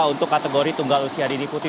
untuk kategori tunggal usyadi putri